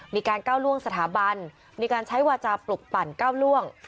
มีการก้าวล่วงสถาบันมีการใช้วาจาปลุกปั่นก้าวล่วง